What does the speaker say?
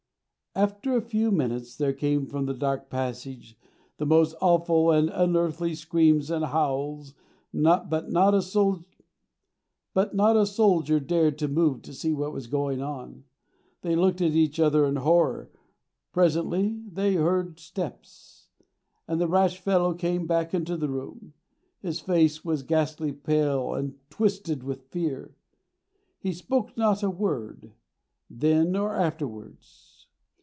After a few minutes, there came from the dark passage the most awful and unearthly screams and howls, but not a soldier dared to move to see what was going on. They looked at each other in horror. Presently they heard steps, and the rash fellow came back into the room. His face was ghastly pale and twisted with fear. He spoke not a word, then or afterwards.